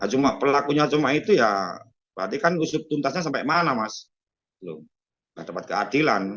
ajumah pelakunya cuma itu ya perhatikan usut tuntasnya sampai mana mas belum dapat keadilan